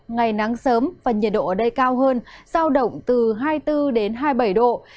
ngày nắng sớm và nhiệt độ ở đây cao hơn giao động từ hai mươi bốn đến hai mươi bảy độ